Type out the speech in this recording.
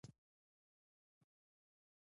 د هېواد اقتصاد په موږ پورې اړه لري.